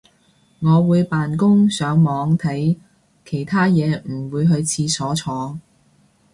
我會扮工上網睇其他嘢唔會去廁所坐